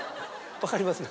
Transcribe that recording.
分かります。